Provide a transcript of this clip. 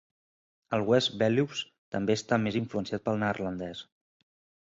El West-Veluws també està més influenciat pel neerlandès.